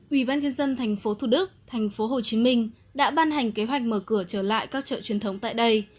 ủy ban nhân dân tp thủ đức tp hồ chí minh đã ban hành kế hoạch mở cửa trở lại các chợ truyền thống tại đây